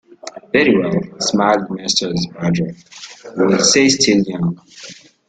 "Very well," smiled Mrs. Badger, "we will say still young."